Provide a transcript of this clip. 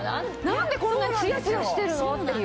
何でこんなにツヤツヤしてるの？っていう。